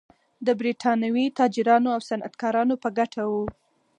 د برېټانوي تاجرانو او صنعتکارانو په ګټه و.